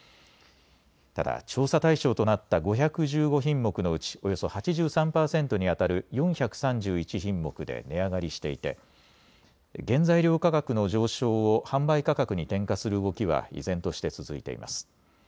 ただ調査対象となった５１５品目のうちおよそ８３％にあたる４３１品目で値上がりしていて原材料価格の上昇を販売価格に転嫁する動きは依然として続いています。